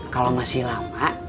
kalau masih lama